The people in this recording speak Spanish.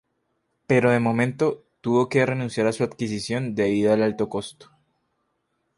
Pero de momento tuvo que renunciar a su adquisición debido al alto costo.